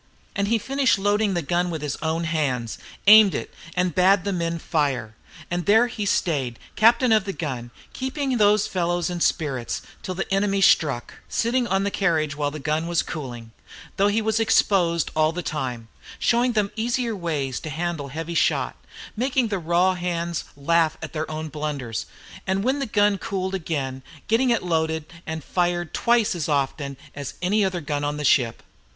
And he finished loading the gun with his own hands, aimed it, and bade the men fire. And there he stayed, captain of that gun, keeping those fellows in spirits, till the enemy struck, sitting on the carriage while the gun was cooling, though he was exposed all the time, showing them easier ways to handle heavy shot, making the raw hands laugh at their own blunders, and when the gun cooled again, getting it loaded and fired twice as often as any other gun on the ship.